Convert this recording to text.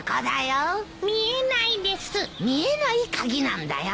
見えない鍵なんだよ。